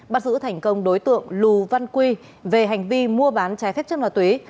bắt giữ thành công đối tượng lù văn quy về hành vi mua bán trái phép chất ma túy